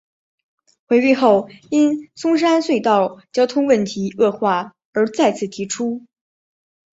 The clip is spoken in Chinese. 回归后因松山隧道交通问题恶化而再次提出。